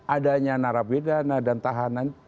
adanya narapidana dan tahanan